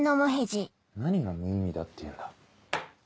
何が無意味だっていうんだ？